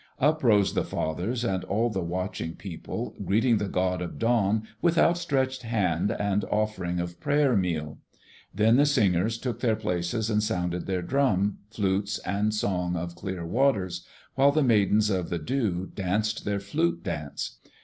Up rose the fathers and all the watching people, greeting the God of Dawn with outstretched hand and offering of prayer meal. Then the singers took their places and sounded their drum, flutes, and song of clear waters, while the Maidens of the Dew danced their Flute dance.